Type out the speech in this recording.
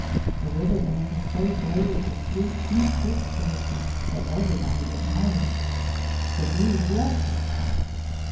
The river bank was so gay with her sweet, pink tipped daisies that everybody admired it. The bees loved the spot.